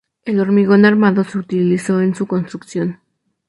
El hormigón armado se utilizó en su construcción.